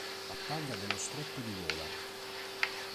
Battaglia dello Stretto di Dover